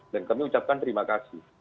dan kami ucapkan terima kasih